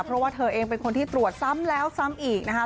เพราะว่าเธอเองเป็นคนที่ตรวจซ้ำแล้วซ้ำอีกนะคะ